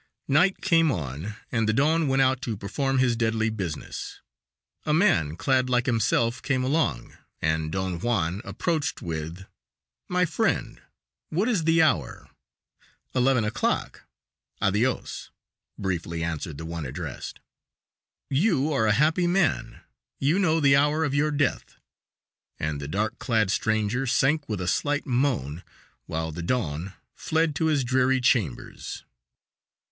Night came on, and the don went out to perform his deadly business. A man clad like himself came along, and Don Juan approached with, "My friend, what is the hour?" "Eleven o'clock. Adois," briefly answered the one addressed. "You are a happy man; you know the hour of your death," and the dark clad stranger sank with a slight moan, while the don fled to his dreary chambers.